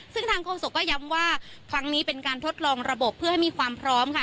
ซึ่งทางโฆษกก็ย้ำว่าครั้งนี้เป็นการทดลองระบบเพื่อให้มีความพร้อมค่ะ